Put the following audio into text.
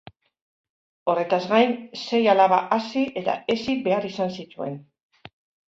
Horretaz gain, sei alaba hazi eta hezi behar izan zituen.